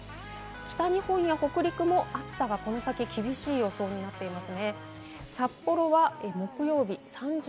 北日本や北陸も暑さがこの先、厳しい予想になっています。